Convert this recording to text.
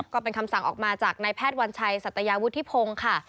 ก็เป็นคำสั่งออกมาจากนายแพทย์วัญชัยสัตยาวุฒิพงศ์ค่ะ